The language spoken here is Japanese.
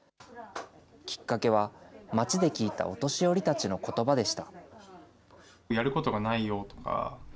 きっかけは、街で聞いたお年寄りたちのことばでした。